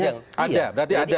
jadi artinya ada